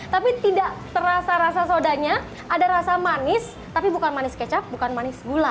tapi tidak terasa rasa sodanya ada rasa manis tapi bukan manis kecap bukan manis gula